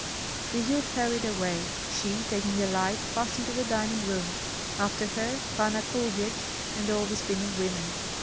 The youth hurried away. She, taking a light, passed into the dining room; after her, Panna Kulvyets and all the spinning women.